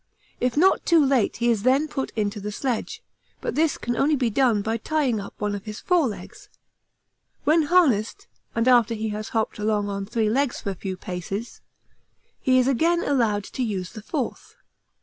If not too late he is then put into the sledge, but this can only be done by tying up one of his forelegs; when harnessed and after he has hopped along on three legs for a few paces, he is again allowed to use the fourth.